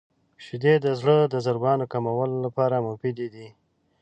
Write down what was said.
• شیدې د زړه د ضربان کمولو لپاره مفیدې دي.